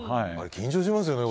緊張しますよね